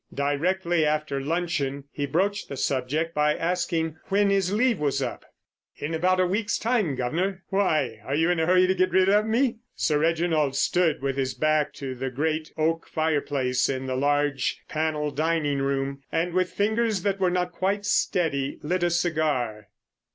Directly after luncheon he broached the subject by asking when his leave was up. "In about a week's time, guv'nor! Why, are you in a hurry to get rid of me?" Sir Reginald stood with his back to the great oak fireplace in the large panel dining room, and with fingers that were not quite steady lit a cigar.